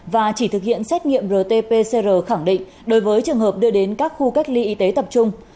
và chỉ thực hiện xét nghiệm rt pcr khẳng định đối với trường hợp đưa đến các khu cách ly y tế tập trung